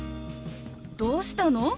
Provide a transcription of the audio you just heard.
どうしたの？